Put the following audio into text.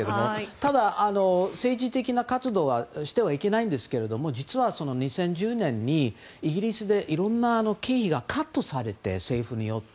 ただ、政治的な活動はしてはいけないんですけれども実は、２０１０年にイギリスでいろんな経費がカットされて政府によって。